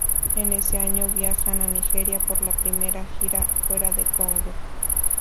En ese año, viajan a Nigeria por la primera gira fuera de Congo.